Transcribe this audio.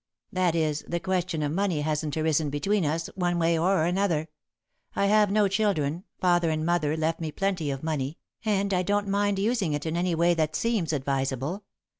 That is, the question of money hasn't arisen between us, one way or another. I have no children, father and mother left me plenty of money, and I don't mind using it in any way that seems advisable.